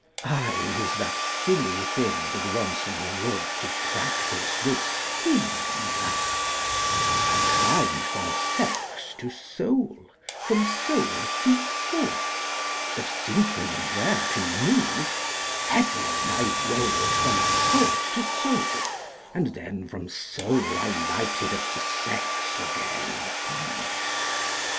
I was that silly thing that once was wrought To practise this thin love; I climb'd from sex to soul, from soul to thought; But thinking there to move, Headlong I rolled from thought to soul, and then From soul I lighted at the sex again.